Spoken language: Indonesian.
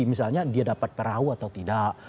misalnya dia dapat perahu atau tidak